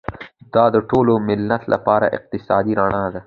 دا د ټول ملت لپاره اقتصادي رڼا ده.